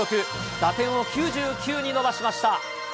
打点を９９に伸ばしました。